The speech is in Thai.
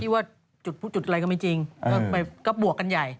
ว่าจุดผู้จุดอะไรก็ไม่จริงก็บวกกันใหญ่